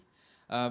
baik tadi membahas